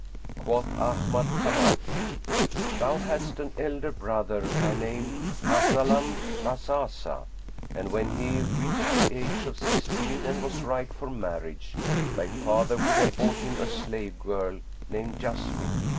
Quoth Ahmad Kamakim, "Thou hadst an elder brother by name Hahzalam Bazazah, and when he reached the age of sixteen and was ripe for marriage, thy father would have bought him a slave girl named Jessamine."